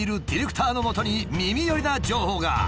ディレクターのもとに耳寄りな情報が！